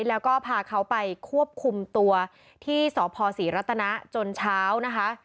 แล้วก็พาเขาไปควบคุมตัวที่สพศรีรัตนะจนเช้านะคะ